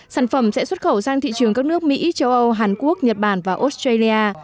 sản phẩm sẽ xuất khẩu sang thị trường các nước mỹ châu âu hàn quốc nhật bản và australia